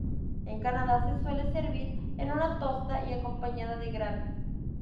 En Canadá se suele servir en una tosta y acompañada de gravy.